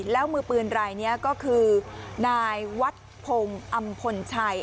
แล้วมือปืนไหลงี้ก็คือนายวัดพงส์อำพนไชย